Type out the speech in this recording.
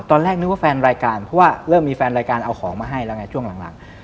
ตอนแรกนึกว่าแฟนรายการเพราะว่าเริ่มมีแฟนรายการเอาของมาให้แล้วไงช่วงหลัง